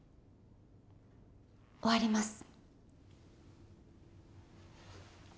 終わります。